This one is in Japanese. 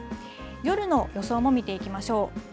夜の予想も見ていきましょう。